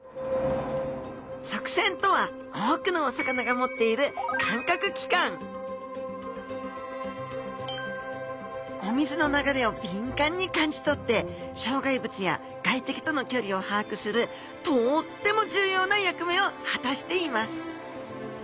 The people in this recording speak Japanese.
側線とは多くのお魚が持っている感覚器官お水の流れを敏感に感じとって障害物や外敵との距離を把握するとっても重要な役目を果たしています